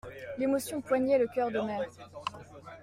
L'émotion poignait le cœur d'Omer.